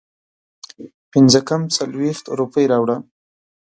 پنځه کم څلوېښت روپۍ راوړه